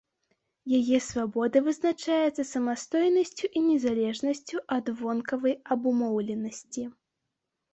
Яе свабода вызначаецца самастойнасцю і незалежнасцю ад вонкавай абумоўленасці.